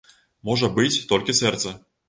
Можа быць, толькі сэрца.